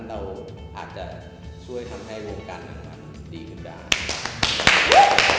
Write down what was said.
เราอาจจะช่วยทำให้วงการอาหารดีขึ้นได้